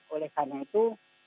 oleh karena itu